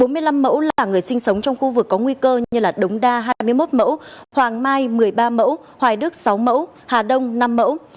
bốn mươi năm mẫu là người sinh sống trong khu vực có nguy cơ như đống đa hai mươi một mẫu hoàng mai một mươi ba mẫu hoài đức sáu mẫu hà đông năm mẫu